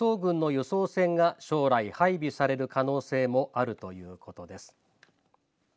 輸送船が将来配備される可能性もあるということです。